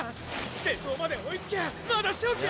先頭まで追いつきゃまだ勝機は。